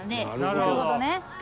なるほどね。